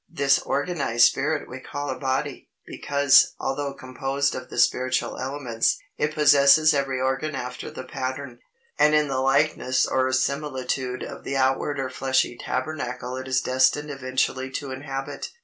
This organized spirit we call a body, because, although composed of the spiritual elements, it possesses every organ after the pattern, and in the likeness or similitude of the outward or fleshly tabernacle it is destined eventually to inhabit.